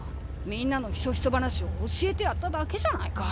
みんなのひそひそ話を教えてやっただけじゃないか。